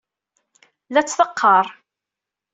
La t-teqqaṛ.